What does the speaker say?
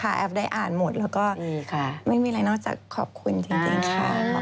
แอฟได้อ่านหมดแล้วก็ไม่มีอะไรนอกจากขอบคุณจริงค่ะ